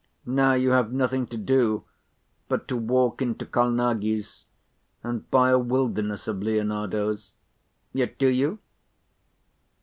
Now, you have nothing to do but to walk into Colnaghi's, and buy a wilderness of Lionardos. Yet do you?